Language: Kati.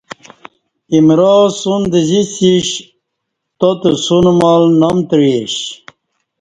ایمرا سون دزیش تاتہ سون ما ل نام تعیش